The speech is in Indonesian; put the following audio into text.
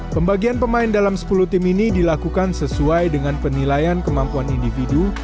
pembagian pemain dalam sepuluh tim ini dilakukan sesuai dengan penilaian kemampuan individu